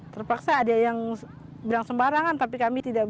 terpaksa ada yang bilang sembarangan tapi kami tidak